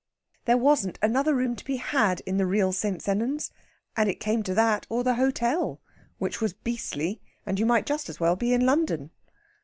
There wasn't another room to be had in the real St. Sennans, and it came to that or the hotel (which was beastly), and you might just as well be in London.